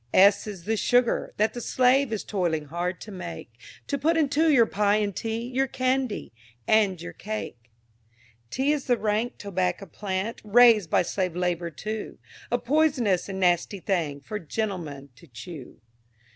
S is the Sugar, that the slave Is toiling hard to make, To put into your pie and tea, Your candy, and your cake. T is the rank Tobacco plant, Raised by slave labor too: A poisonous and nasty thing, For gentlemen to chew.